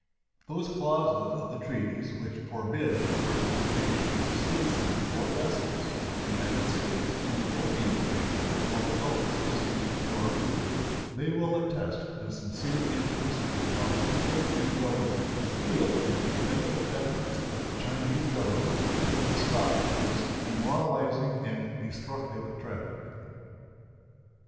Those clauses of the treaties which forbid the participation of citizens or vessels of the United States in the opium trade will doubtless receive your approval. They will attest the sincere interest which our people and Government feel in the commendable efforts of the Chinese Government to put a stop to this demoralizing and destructive traffic.